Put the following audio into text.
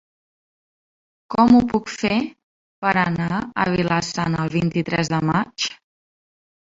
Com ho puc fer per anar a Vila-sana el vint-i-tres de maig?